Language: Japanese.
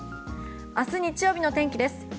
明日日曜日の天気です。